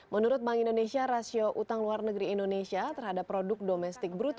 menurut bank indonesia rasio utang luar negeri indonesia terhadap produk domestik bruto